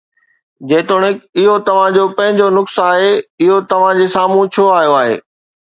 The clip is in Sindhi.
جيتوڻيڪ اهو توهان جو پنهنجو عڪس آهي، اهو توهان جي سامهون ڇو آيو آهي؟